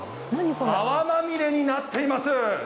泡まみれになっています。